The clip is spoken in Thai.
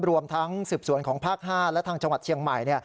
รวมทั้งสืบสวนของภาค๕และทางจังหวัดเชียงใหม่